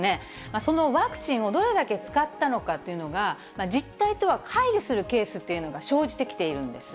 そのワクチンをどれだけ使ったのかというのが、実態とはかい離するケースというのが生じてきているんです。